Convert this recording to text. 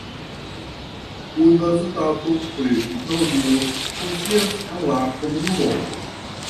Universitato pri teknologio funkcias en la komunumo.